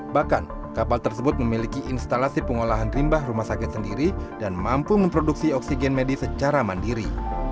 bahkan kapal tersebut memiliki instalasi pengolahan rimba rumah sakit sendiri dan mampu memproduksi oksigen medis secara mandiri